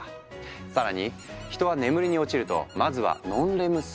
更に人は眠りに落ちるとまずはノンレム睡眠。